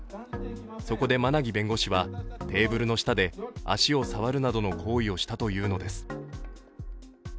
そこで馬奈木弁護士はテーブルの下で足を触るなどの行為をしたというのです。